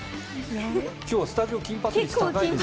今日はスタジオ金髪率高いですね。